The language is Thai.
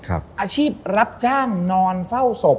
อาชีพรับจ้างนอนเฝ้าศพ